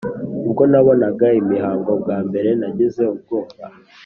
ubwo nabonaga imihango bwa mbere nagize ubwoba,